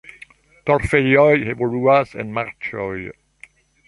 Torfejoj evoluas el marĉoj.